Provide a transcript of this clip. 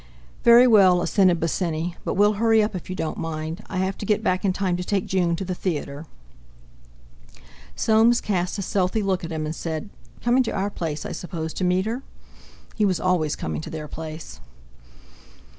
"Very well," assented Bosinney. "But we'll hurry up, if you don't mind. I have to get back in time to take June to the theatre." Soames cast a stealthy look at him, and said: "Coming to our place, I suppose to meet her?" He was always coming to their place!